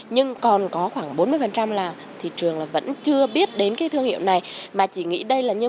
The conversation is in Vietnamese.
nhưng còn có khoảng bốn mươi là thị trường vẫn chưa biết đến thương hiệu này mà chỉ nghĩ đây là như